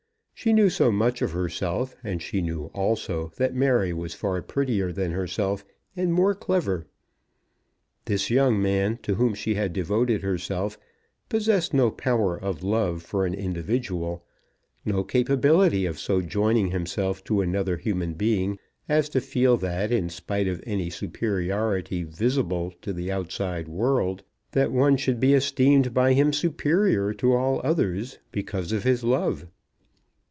She knew so much of herself; and she knew, also, that Mary was far prettier than herself, and more clever. This young man to whom she had devoted herself possessed no power of love for an individual, no capability of so joining himself to another human being as to feel, that in spite of any superiority visible to the outside world, that one should be esteemed by him superior to all others, because of his love.